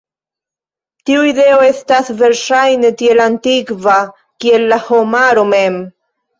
Tiu ideo estas, verŝajne, tiel antikva, kiel la homaro mem.